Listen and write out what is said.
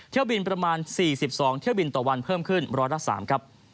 เที่ยวบินประมาณ๔๒เที่ยวบินต่อวันเพิ่มขึ้นร้อยละ๓ครับ